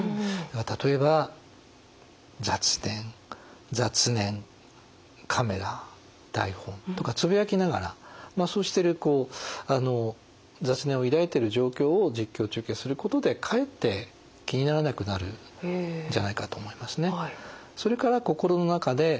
例えば「雑念雑念カメラ台本」とかつぶやきながらまあそうしてるこう雑念を抱いてる状況を実況中継することでかえって気にならなくなるんじゃないかと思いますね。